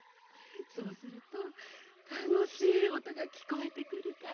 そうするとたのしいおとがきこえてくるから。